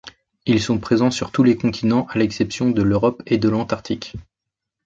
Ils sont présents sur tous les continents à l'exception de l'Europe et de l'Antarctique.